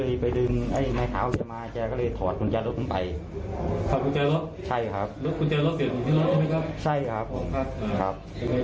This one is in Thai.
เอาไงครับทำไมครับ